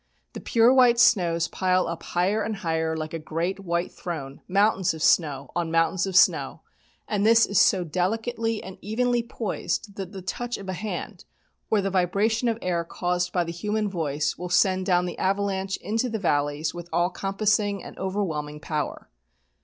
The pure white snows pile up higher and higher like a great white throne, mountains of snow on mountains of snow, and all this is so delicately and evenly poised that the touch of a hand or the vibration of air caused by the human voice will send down the avalanche into the valleys with all compassing and overwhelming power.